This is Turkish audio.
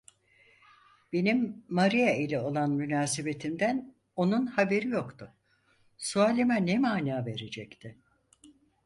Benim Maria ile olan münasebetimden onun haberi yoktu, sualime ne mana verecekti?